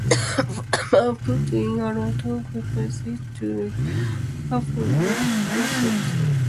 Farmer put in a lot of references to literature and fictional authors...